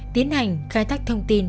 tiến hành khai thách thông tin